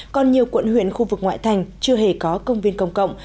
còn nhiều quận huyện khu vực ngoại thành chưa hề có công viên công cộng